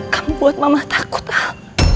kamu buat mama takut pak